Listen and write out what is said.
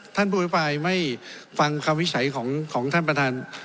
ผู้อภิปรายไม่ฟังคำวิจัยของท่านประธาน